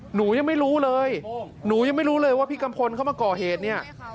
หนูยังไม่รู้เลยหนูยังไม่รู้เลยว่าพี่กัมพลเข้ามาก่อเหตุเนี่ย